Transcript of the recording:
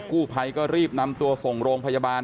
กู้ภัยก็รีบนำตัวส่งโรงพยาบาล